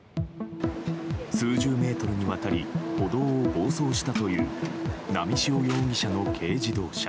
数十メートルにわたり歩道を暴走したという波汐容疑者の軽自動車。